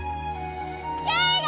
圭吾！